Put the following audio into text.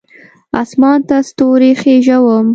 اسمان ته ستوري خیژوم